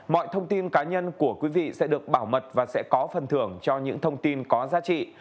mọi thông tin cá nhân của quý vị sẽ được bảo mật và sẽ có phần thưởng cho những thông tin có giá trị